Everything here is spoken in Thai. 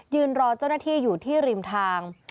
รอเจ้าหน้าที่อยู่ที่ริมทาง